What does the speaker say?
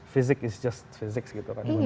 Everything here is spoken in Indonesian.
fisik itu hanya fisik gitu kan